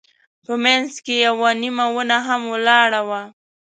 په منځ کې یوه نیمه ونه هم ولاړه وه.